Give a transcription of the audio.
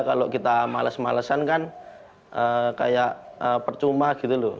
kalau kita males malesan kan kayak percuma gitu loh